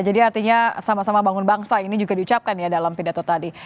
jadi artinya sama sama bangun bangsa ini juga diucapkan ya dalam pidato tadi